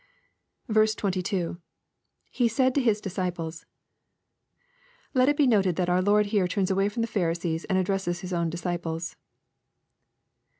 i% — [He said unto His disciples.l Let it be noted that our Lord here turns away from the Pharisees and addresses His own dis ciples.